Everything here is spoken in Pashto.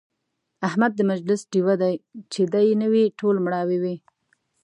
احمد د مجلس ډېوه دی، چې دی نه وي ټول مړاوي وي.